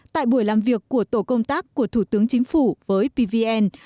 tại buổi làm việc của tổ công tác của thủ tướng chính phủ với pvn